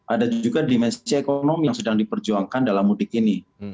ada juga dimensi ekonomi yang sedang diperjuangkan dalam mudik ini